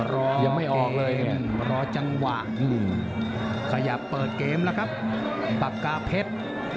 รอเกมรอจังหวะขยับเปิดเกมแล้วครับปากกาเพชร